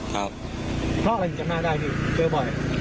เพราะอะไรจำหน้าได้พี่เจอบ่อย